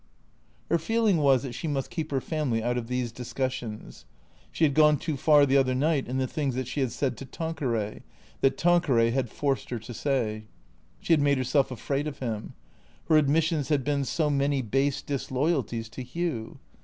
Her feeling was that she must keep her family out of these discussions. She had gone too far the other night in the things that she had said to Tanqueray, that Tanqueray had forced her to say. She had made herself afraid of him. Her admissions had been so many base disloyalties to Hugh.